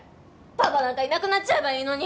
パパなんかいなくなっちゃえばいいのに。